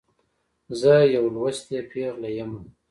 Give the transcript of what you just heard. زه یوه لوستې پیغله يمه.